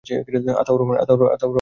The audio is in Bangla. আতাউর রহমান, ঢাকা।